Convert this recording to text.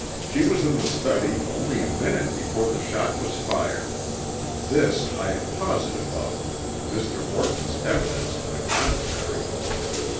She was in the study only a minute before the shot was fired. This I am positive of, Mr. Orton's evidence to the contrary.